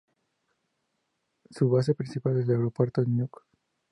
Su base principal es el aeropuerto de Nuuk.